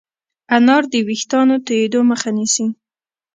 انار د ويښتانو تویدو مخه نیسي.